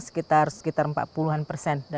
sekitar sekitar empat puluh an persen